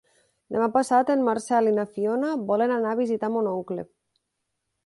Demà passat en Marcel i na Fiona volen anar a visitar mon oncle.